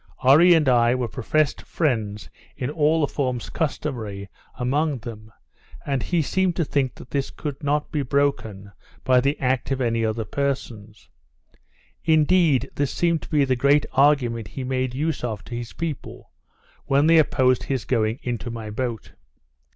Oree and I were professed friends in all the forms customary among them; and he seemed to think that this could not be broken by the act of any other persons. Indeed this seemed to be the great argument he made use of to his people, when they opposed his going into my boat.